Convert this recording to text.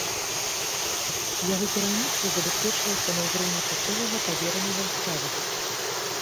Яго кіраўніцтва забяспечваецца на ўзроўні часовага паверанага ў справах.